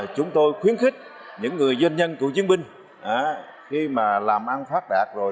chúng tôi khuyến khích những người doanh nhân cựu chiến binh khi mà làm ăn phát đạt rồi